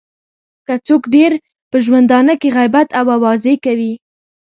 که څوک ډېر په ژوندانه کې غیبت او اوازې کوي.